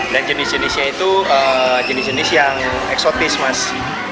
dan jenis jenisnya itu jenis jenis yang eksotis mas